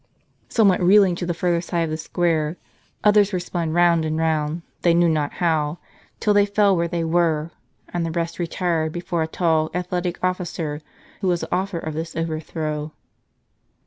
Some went i eel ing to the further side of the square, others were spun round and round, they knew not how, till they fell where they were, and the rest retired before a tall, athletic officer, who was the author of this overtlirow.